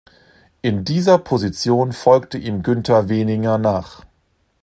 In dieser Position folgte ihm Günter Weninger nach.